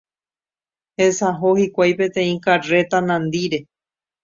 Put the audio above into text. Hesaho hikuái peteĩ karréta nandíre.